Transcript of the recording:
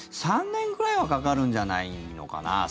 ３年ぐらいはかかるんじゃないのかな